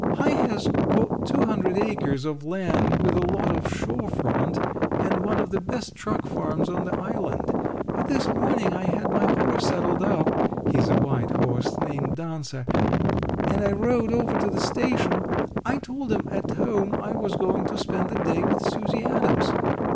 Hi has got two hundred acres of land with a lot of shore front, and one of the best truck farms on the Island. But this morning I had my horse saddled up he's a white horse named Dancer and I rode over to the station. I told 'em at home I was going to spend the day with Susie Adams.